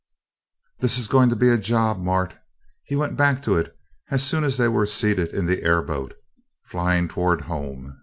"This is going to be a job, Mart," he went back to it as soon as they were seated in the airboat, flying toward "home."